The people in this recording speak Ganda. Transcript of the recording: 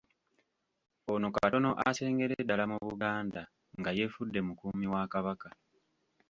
Ono katono asengere ddala mu Buganda nga yeefudde mukuumi wa Kabaka.